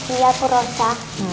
iya aku rosa